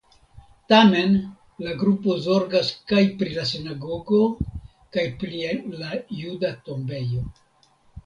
Tamen la grupo zorgas kaj pri la sinagogo kaj pli la juda tombejo.